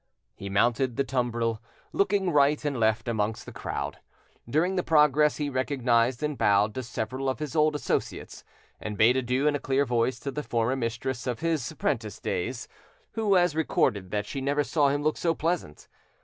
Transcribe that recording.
He mounted the tumbril, looking right and left amongst the crowd. During the progress he recognised and bowed to several of his old associates, and bade adieu in a clear voice to the former mistress of his 'prentice days, who has recorded that she never saw him look so pleasant.